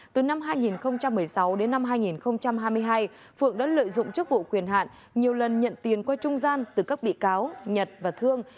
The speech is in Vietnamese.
từ năm hai nghìn một mươi sáu đến năm hai nghìn hai mươi hai phượng đã lợi dụng chức vụ quyền hạn nhiều lần nhận tiền qua trung gian từ các bị cáo nhật và thương